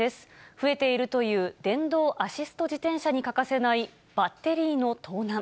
増えているという電動アシスト自転車に欠かせないバッテリーの盗難。